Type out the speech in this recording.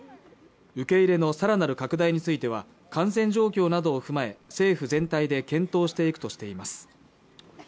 受け入れのさらなる拡大については感染状況などを踏まえ政府全体で検討していくとしています